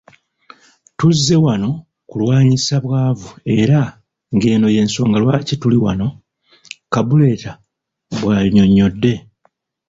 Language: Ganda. Tuzze wano okulwanyisa bwavu era ng'eno y'ensonga lwaki tuli wano,” Kabuleta bw'annyonnyodde.